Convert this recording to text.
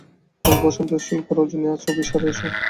আজ বসন্তের শুক্ল রজনী, আজ অভিসারে এসো!